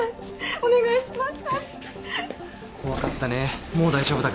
お願いします。